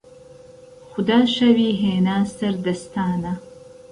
خودا شەوی هێنا سهر دهستانه